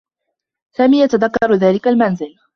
سامي يتذكّر ذلك المنزل.